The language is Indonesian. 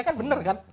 kan bener kan